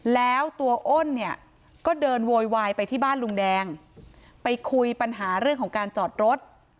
แล้วตัวอ้นเนี่ยก็เดินโวยวายไปที่บ้านลุงแดงไปคุยปัญหาเรื่องของการจอดรถ